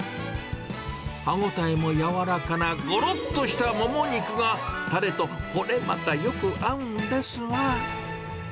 歯応えも柔らかなごろっとしたモモ肉が、たれとこれまたよく合うんですが。